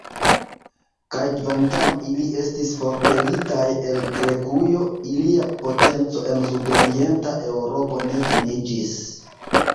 Kaj kvankam ili estis forpelitaj el Grekujo, ilia potenco en sudorienta Eŭropo ne finiĝis.